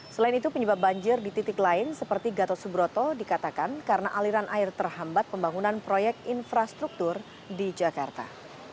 selain itu penyebab banjir di titik lain seperti gatot subroto dikatakan karena aliran air terhambat pembangunan proyek infrastruktur di jakarta